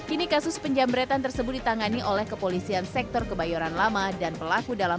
ini kasus penjamretan tersebut ditangani oleh kepolisian sektor kebayoran lama dan pelaku dalam